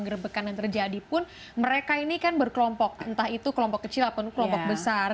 gerbekan yang terjadi pun mereka ini kan berkelompok entah itu kelompok kecil atau kelompok besar